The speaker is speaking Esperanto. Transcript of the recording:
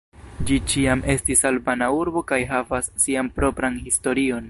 Ĝi ĉiam estis albana urbo kaj havas sian propran historion.